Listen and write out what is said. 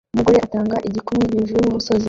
Umugore atanga igikumwe hejuru yumusozi